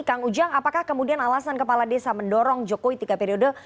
kang ujang apakah kemudian alasan kepala desa mendorong jokowi tiga periode